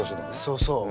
そうそう。